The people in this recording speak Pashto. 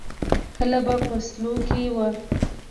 کله به په سلو کې وه.